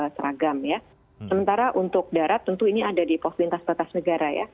sementara untuk darat tentu ini ada di pos lintas batas negara ya